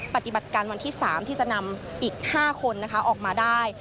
ปฏิบัติการวันที่๓ที่จะนำอีก๕คนออกมาได้